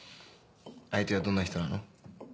相手はどんな人なの？